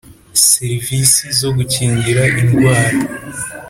Serivisi zo gukingira indwara